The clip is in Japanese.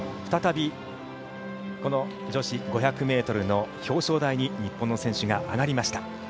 再びこの女子５００ｍの表彰台に日本の選手が上がりました。